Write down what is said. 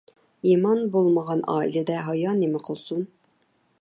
ئىمان بولمىغان ئائىلىدە ھايا نېمە قىلسۇن؟